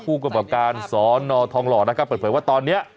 ผู้กรรมการสนทองหล่อเปิดเผยว่าตอนนี้